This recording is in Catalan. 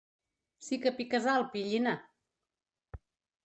Si que piques alt, pillina.